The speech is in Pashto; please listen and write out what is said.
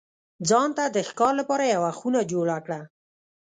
ځان ته د ښکار لپاره یوه خونه جوړه کړه.